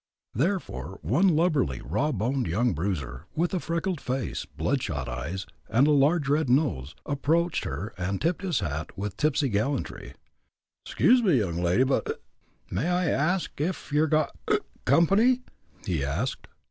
Therefore, one lubberly, raw boned young bruiser, with a freckled face, blood shot eyes, and a large, red nose, approached her and tipped his hat with tipsy gallantry: "'Scuse me, young lady, but (hic) may I ask ef yer got (hic) company?" he asked.